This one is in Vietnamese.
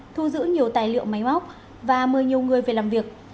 thu giữ nhiều tài liệu máy móc và mời nhiều người về làm việc